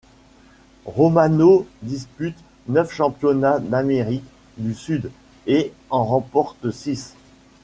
Romano dispute neuf championnats d'Amérique du Sud et en remporte six.